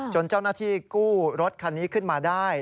เจ้าหน้าที่กู้รถคันนี้ขึ้นมาได้